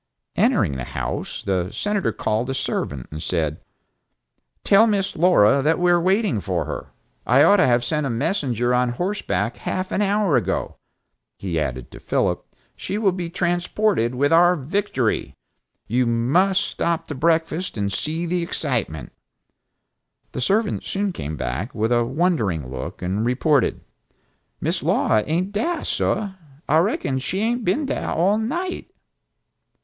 Entering the house, the Senator called a servant and said, "Tell Miss Laura that we are waiting to see her. I ought to have sent a messenger on horseback half an hour ago," he added to Philip, "she will be transported with our victory. You must stop to breakfast, and see the excitement." The servant soon came back, with a wondering look and reported, "Miss Laura ain't dah, sah. I reckon she hain't been dah all night!"